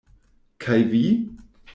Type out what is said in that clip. Kaj vi?